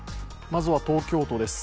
まずは東京都です。